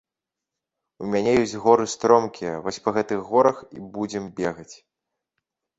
У мяне ёсць горы стромкія, вось па гэтых горах будзем бегаць.